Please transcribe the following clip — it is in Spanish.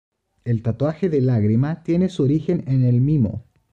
El tatuaje de lágrima tiene su origen en el Mimo.